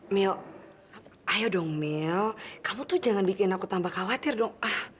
mil ayo dong mil kamu tuh jangan bikin aku tambah khawatir dong